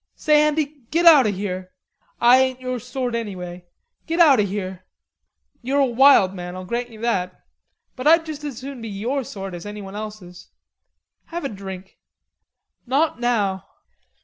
"Say, Andy, git out o' here. Ah ain't your sort anyway.... Git out o' here." "You're a wild man. I'll grant you that.... But I'd just as soon be your sort as anyone else's.... Have a drink." "Not now."